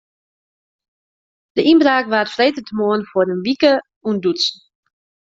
De ynbraak waard freedtemoarn foar in wike ûntdutsen.